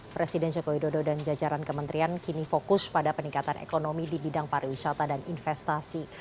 presiden joko widodo dan jajaran kementerian kini fokus pada peningkatan ekonomi di bidang pariwisata dan investasi